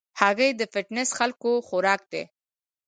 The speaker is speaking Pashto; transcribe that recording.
هګۍ د فټنس خلکو خوراک دی.